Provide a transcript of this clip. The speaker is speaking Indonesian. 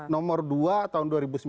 nomor dua tahun dua ribu sembilan